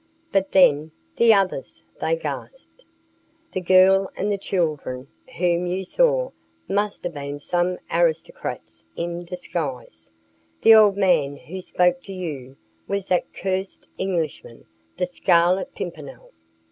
"But, then the others?" they gasped. "The girl and the children whom you saw must have been some aristocrats in disguise. The old man who spoke to you was that cursed Englishman the Scarlet Pimpernel!"